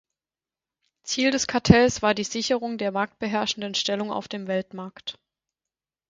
Ziel des Kartells war die Sicherung der marktbeherrschenden Stellung auf dem Weltmarkt.